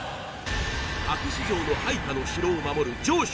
たけし城の配下の城を守る城主